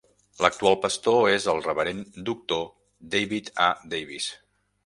L'actual pastor és el reverend doctor David A. Davis.